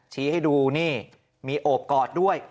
ชี้ให้ดูนี่มีโอบกอดด้วย